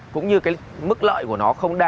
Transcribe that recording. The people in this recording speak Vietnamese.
cũng như mức lợi của nó không đáng